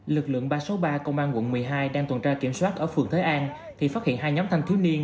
lực lượng ba trăm sáu mươi ba công an quận một mươi hai đang tuần tra kiểm soát ở phường thới an thì phát hiện hai nhóm thanh thiếu niên